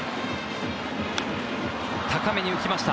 高めに浮きました。